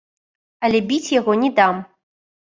Але біць яго не дам.